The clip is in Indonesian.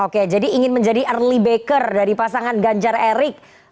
oke jadi ingin menjadi early baker dari pasangan ganjar erik